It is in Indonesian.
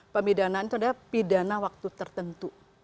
pemidanaan itu adalah pidana waktu tertentu